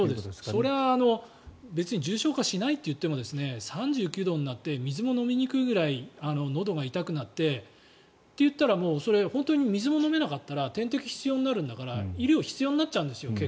それは別に重症化しないといっても３９度になって水も飲みにくいぐらいのどが痛くなってって言ったらもうそれ本当に水も飲めなかったら点滴が必要になるんだから医療必要になっちゃうんですよ。